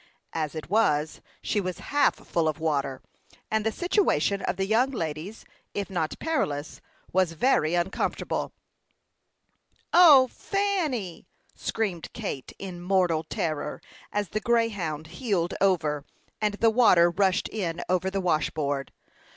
As it was, she was half full of water, and the situation of the young ladies, if not perilous, was very uncomfortable. "O, Fanny!" screamed Kate, in mortal terror, as the Greyhound heeled over, and the water rushed in over the washboard.